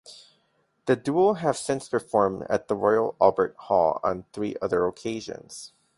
The duo have since performed at the Royal Albert Hall on three other occasions.